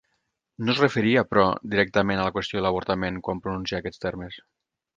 No es referia, però, directament a la qüestió de l'avortament quan pronuncià aquests termes.